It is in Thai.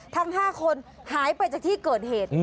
ทั้ง๕คนหายไปจากที่เกิดเหตุ